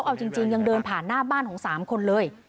เอาจริงยังเดินผ่านหน้าบ้านของ๓คนเลย